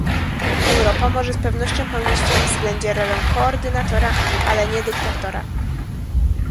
Europa może z pewnością pełnić w tym względzie rolę koordynatora, ale nie dyktatora